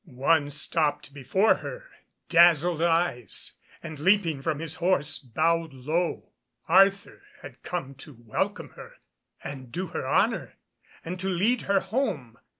One stopped before her dazzled eyes, and leaping from his horse bowed low. Arthur had come to welcome her, and do her honour, and to lead her home.